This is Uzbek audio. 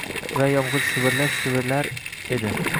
Va yomg’ir shivirlab shivalar edi.